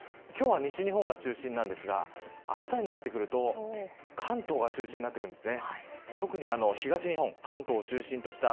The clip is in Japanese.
そうすると今日は西日本が中心なんですがあしたになってくると関東が中心になってきます。